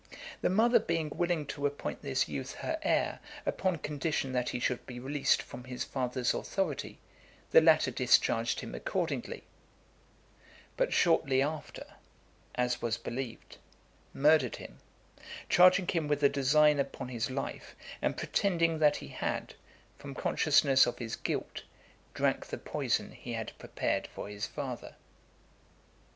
The mother being willing to appoint this youth her heir, upon condition that he should be released from his father's authority, the latter discharged him accordingly; but shortly after, as was believed, murdered him, charging him with a design upon his life, and pretending that he had, from consciousness of his guilt, drank the poison he had prepared for his father.